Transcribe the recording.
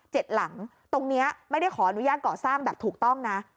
เจ็ดหลังตรงนี้ไม่ได้ขออนุญาตเกาะสร้างดับถูกต้องนะ